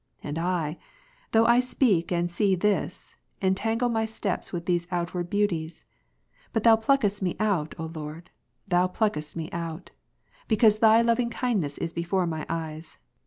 And I, though I speak and see this, en tangle my steps with these outward beauties ; but Thou pluckest me out, O Lord, Thou pluckest me out ; because Ps. 26, 3. Thy loving kindness is be/ore my eyes.